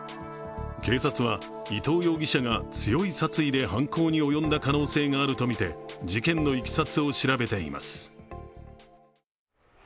警察は、伊藤容疑者が強い殺意で犯行に及んだ可能性があるとみて、事件のいきさつを調べています。